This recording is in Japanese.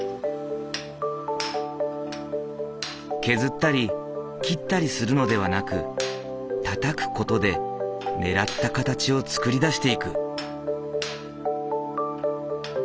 削ったり切ったりするのではなくたたく事でねらった形を作り出していく。